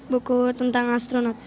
buku tentang astronot